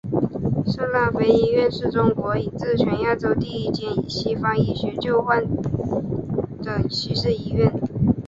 圣辣非医院是中国以至全亚洲第一间以西方医学救治病患的西式医院。